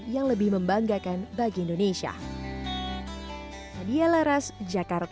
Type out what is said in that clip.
yang lebih membanggakan bagi indonesia padilla ras jakarta